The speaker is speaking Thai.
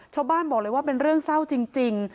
ชาวบ้านบอกเลยว่าเป็นเรื่องเศร้าจริง